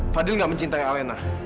fadil gak mencintai alina